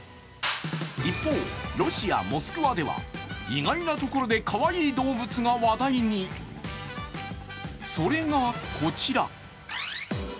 一方、ロシア・モスクワでは意外なところでかわいい動物が話題に、それがこちら。